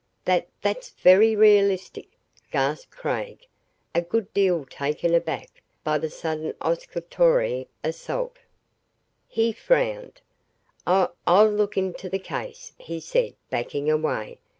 "Th that's very realistic," gasped Craig, a good deal taken aback by the sudden osculatory assault. He frowned. "I I'll look into the case," he said, backing away.